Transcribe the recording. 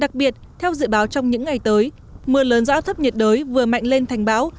đặc biệt theo dự báo trong những ngày tới mưa lớn do áp thấp nhiệt đới vừa mạnh lên thành bão